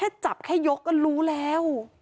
ถ้าจับแค่ยกก็รู้แล้ว